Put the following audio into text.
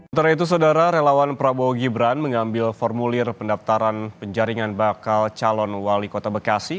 setelah itu saudara relawan prabowo gibran mengambil formulir pendaftaran penjaringan bakal calon wali kota bekasi